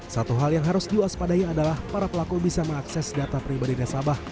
satu hal yang harus diwaspadai adalah para pelaku bisa mengakses data pribadi nasabah